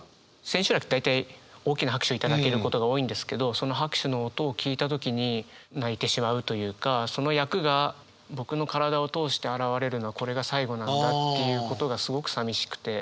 千秋楽大体大きな拍手頂けることが多いんですけどその拍手の音を聞いた時に泣いてしまうというかその役が僕の体を通して現れるのはこれが最後なんだっていうことがすごくさみしくて。